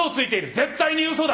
絶対に嘘だ！